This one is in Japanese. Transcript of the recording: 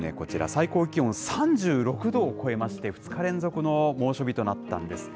最高気温３６度を超えまして、２日連続の猛暑日となったんです。